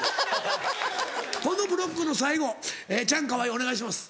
このブロックの最後チャンカワイお願いします。